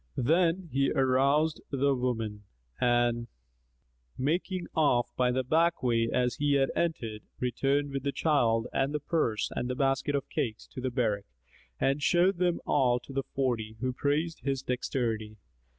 Then he aroused the woman and making off by the back way as he had entered, returned with the child and the purse and the basket of cakes to the barrack and showed them all to the Forty, who praised his dexterity.